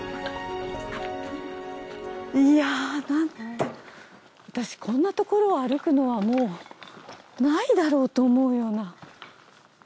いや私こんなところを歩くのはもうないだろうと思うような。